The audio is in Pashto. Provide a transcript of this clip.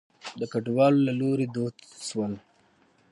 د کډوالو له لوري دود شول.